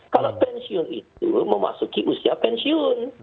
kalau pensiun itu memasuki usia pensiun